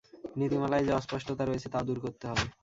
নীতিমালায় যে অস্পষ্টতা রয়েছে তাও দূর করতে হবে।